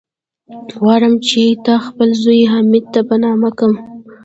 غواړم چې تا خپل زوی، حميد ته په نامه کم.